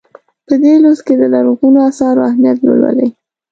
په دې لوست کې د لرغونو اثارو اهمیت ولولئ.